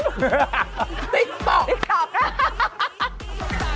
ติ๊กต๊อก